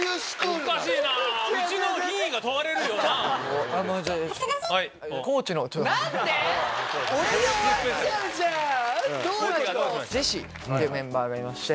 ジェシーっていうメンバーがいまして。